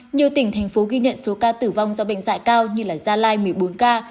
nhiều tỉnh thành phố ghi nhận số ca tử vong do bệnh dạy cao như gia lai một mươi bốn ca